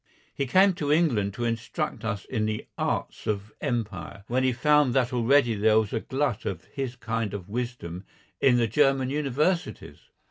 He came to England to instruct us in the arts of Empire, when he found that already there was a glut of his kind of wisdom in the German universities.